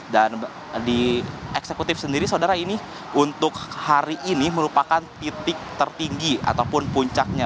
dan di eksekutif sendiri saudara ini untuk hari ini merupakan titik tertinggi ataupun puncaknya